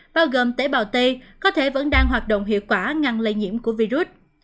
bao gồm tế bào t có thể vẫn đang hoạt động hiệu quả ngăn lây nhiễm của virus